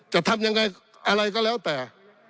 จะทำยังไงอะไรก็แล้วแต่